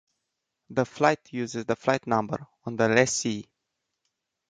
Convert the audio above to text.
The flight uses the flight number of the lessee.